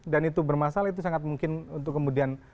dan itu bermasalah itu sangat mungkin untuk kemudian